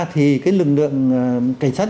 thì cái lực lượng cảnh sát